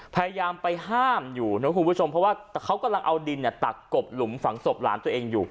พยายามไปห้ามอยู่นะคุณผู้ชมเพราะว่าเขากำลังเอาดินตักกบหลุมฝังศพหลานตัวเองอยู่